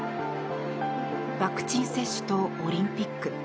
ワクチン接種とオリンピック。